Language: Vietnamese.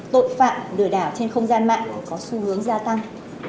tội phạm lừa đảo trên không gian mạng có xu hướng gia tăng